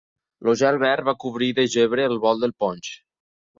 El gel verd va cobrir de gebre el bol del ponx.